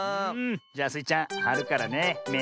じゃあスイちゃんはるからねめとじててね。